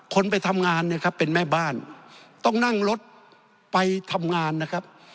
คนไปทำงานเนี่ยครับเป็นแม่บ้านต้องนั่งรถไปทำงานนะครับ